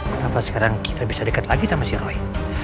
kenapa sekarang citra bisa deket lagi sama si roy